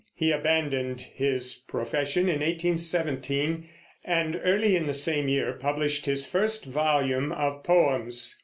He abandoned his profession in 1817, and early in the same year published his first volume of Poems.